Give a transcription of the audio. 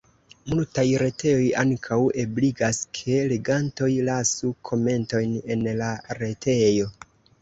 Multaj retejoj ankaŭ ebligas ke legantoj lasu komentojn en la retejo.